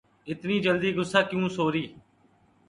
اتنی جلدی غصہ کیوں سوری